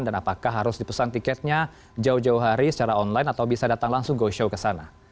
dan apakah harus dipesan tiketnya jauh jauh hari secara online atau bisa datang langsung go show ke sana